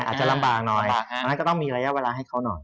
อาจจะลำบากหน่อยอันนั้นก็ต้องมีระยะเวลาให้เขาหน่อย